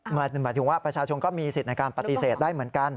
หมายถึงว่าประชาชนก็มีสิทธิ์ในการปฏิเสธได้เหมือนกัน